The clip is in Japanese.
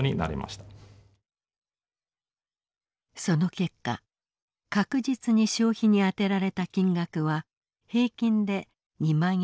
その結果確実に消費にあてられた金額は平均で２万円から３万円。